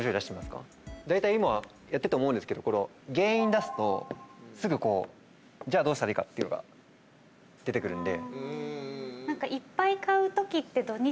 大体今やってて思うんですけど原因出すとすぐこうじゃあどうしたらいいかっていうのが出てくるんで。